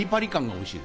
おいしい。